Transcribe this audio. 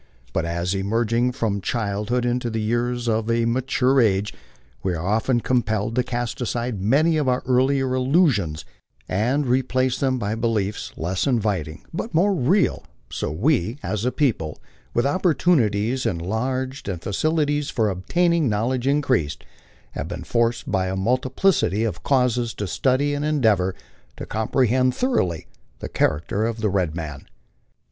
But as, in emerging from childhood into the years of a maturer age, we are often compelled to cast aside many of our earlier illusions and replace them by beliefs less inviting but more real. t2 MY LIFE ON THE PLAINS. BO we, as a people, with opportunities enlarged and facilities for obtaining knowledge increased, have been forced by a multiplicity of causes to study and endeavor to comprehend thoroughly the character of the red man.